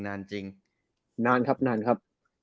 นานครับนานครับ